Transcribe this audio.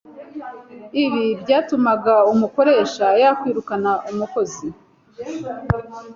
ibi byatumaga umukoresha yakwirukana umukozi